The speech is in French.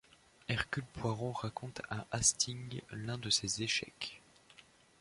Hercule Poirot raconte à Hastings l'un de ses échecs.